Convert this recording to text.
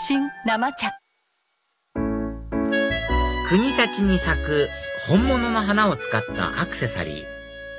国立に咲く本物の花を使ったアクセサリー